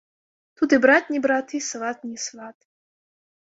Тут і брат не брат і сват не сват.